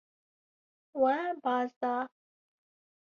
We baz da.